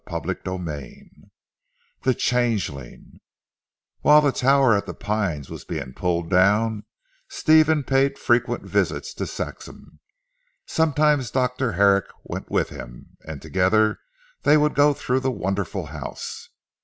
CHAPTER VI "THE CHANGELING" While the tower at "The Pines" was being pulled down, Stephen paid frequent visits to Saxham. Sometimes Dr. Herrick went with him, and together they would go through that wonderful house.